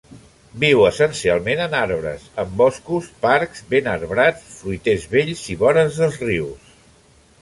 Viu essencialment en arbres; en boscos, parcs ben arbrats, fruiters vells i vores dels rius.